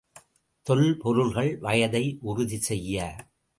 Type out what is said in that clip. தொல்பொருள்கள் வயதை உறுதி செய்ய.